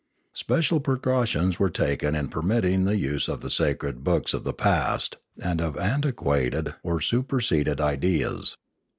Special precautions were taken in permitting the use of the sacred books of the past, and of antiquated or superseded ideas.